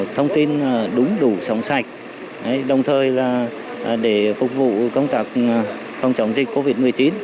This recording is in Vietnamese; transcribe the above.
thông tin đúng đủ sống sạch đồng thời là để phục vụ công tác phong trọng dịch covid một mươi chín